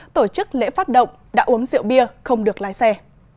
tổ chức lễ phát động đã uống rượu bia không được lái xe